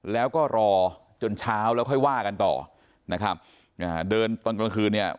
แล้วก็รอจนเช้าแล้วค่อยว่ากันต่อนะครับอ่าเดินตอนกลางคืนเนี่ย